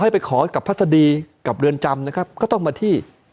ไปขอกับพัศดีกับเรือนจำนะครับก็ต้องมาที่